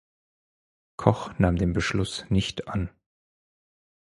Koch nahm den Beschluss nicht an.